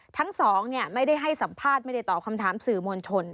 ทั้งสองไม่ได้ให้สัมภาษณ์ไม่ได้ตอบคำถามสื่อมวลชน